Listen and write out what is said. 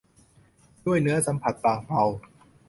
ด้วยเนื้อสัมผัสบางเบา